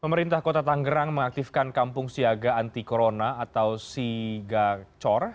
pemerintah kota tanggerang mengaktifkan kampung siaga anti corona atau sigacor